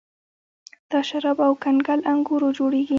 دا شراب له کنګل انګورو جوړیږي.